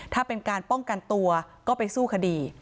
ถ้าเป็นการป้องกันตัวก็ไปสู้คดี